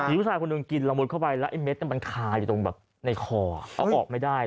ดำหรือไอ้มันขาอยู่ตรงในคอเอาออกไม่ได้